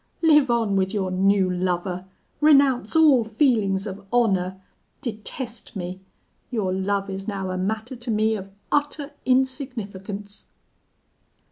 Live on with your new lover renounce all feelings of honour detest me your love is now a matter to me of utter insignificance!'